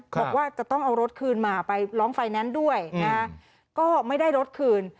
บอกว่าจะต้องเอารถคืนมาไปร้องไฟแนนซ์ด้วยนะฮะก็ไม่ได้รถคืน